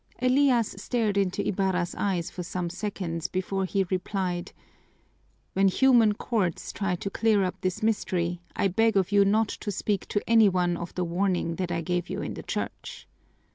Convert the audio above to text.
Elias stared into Ibarra's eyes for some seconds before he replied, "When human courts try to clear up this mystery, I beg of you not to speak to any one of the warning that I gave you in the church."